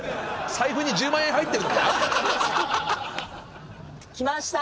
財布に１０万円入ってるのか⁉来ました！